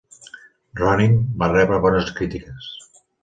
"Ronin" va rebre bones crítiques.